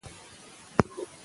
علمي فکر ولرئ.